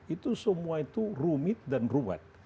itu semua itu rumit dan ruwet